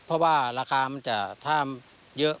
เพราะว่าราคามันจะถ้าเยอะ